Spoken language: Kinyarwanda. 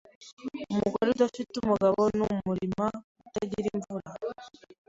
Umugore udafite umugabo ni umurima utagira imvura